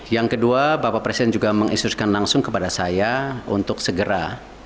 yang kedua bapak presiden juga menginstruksikan langsung kepada saya untuk segera